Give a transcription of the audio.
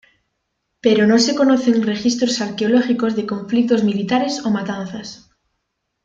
Pero no se conocen registros arqueológicos de conflictos militares o matanzas.